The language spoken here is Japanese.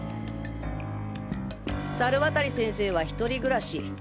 猿渡先生は一人暮らし。